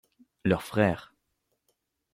Leurs frères.